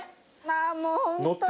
あもうホントに。